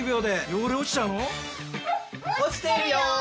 落ちてるよ！